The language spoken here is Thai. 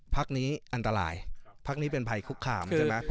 ภักดีนี่อันตรายภักดีนี่เป็นภัยคุกขา่มใช่ไหม